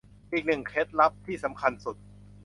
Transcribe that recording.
อีกหนึ่งเคล็ดลับที่สำคัญสุด